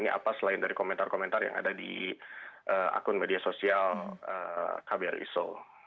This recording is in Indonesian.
ini apa selain dari komentar komentar yang ada di akun media sosial kbri seoul